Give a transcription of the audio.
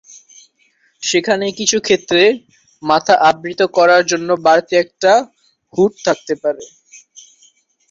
সেখানে কিছু ক্ষেত্রে মাথা আবৃত করার জন্য বাড়তি একটা হুড থাকতে পারে।